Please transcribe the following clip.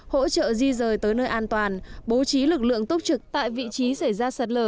hỗ trợ di rời tới nơi an toàn bố trí lực lượng tốc trực tại vị trí xảy ra sạt lở